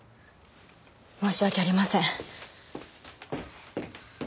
申し訳ありません。